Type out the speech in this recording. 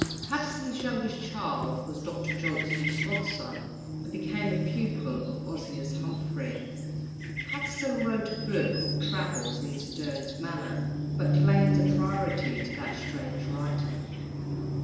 Patterson's youngest child was Dr. Johnson's godson, and became a pupil of Ozias Humphrey. Patterson wrote a book of travels in Sterne's manner, but claimed a priority to that strange writer.